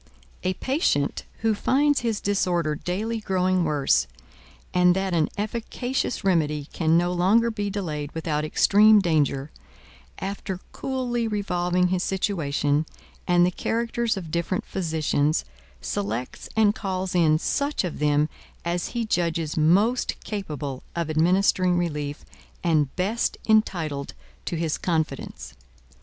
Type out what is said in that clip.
A patient who finds his disorder daily growing worse, and that an efficacious remedy can no longer be delayed without extreme danger, after coolly revolving his situation, and the characters of different physicians, selects and calls in such of them as he judges most capable of administering relief, and best entitled to his confidence.